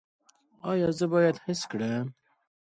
ایا زه باید حس کړم؟